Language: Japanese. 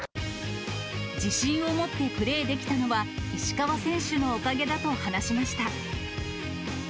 自信を持ってプレーできたのは、石川選手のおかげだと話しました。